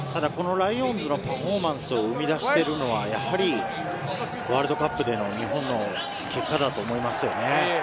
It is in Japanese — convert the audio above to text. ライオンズのパフォーマンスを生み出しているのはやはり、ワールドカップでの日本での結果だと思いますよね。